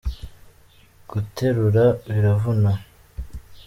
guterura biravuna.